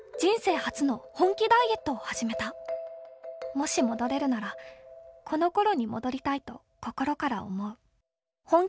「もし戻れるならこの頃に戻りたいと心から思う」。